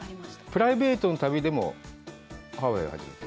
プライベートの旅でもハワイは初めて？